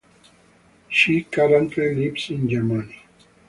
She currently lives in Germany.